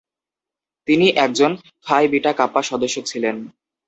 তিনি একজন Phi Beta Kappa সদস্য ছিলেন।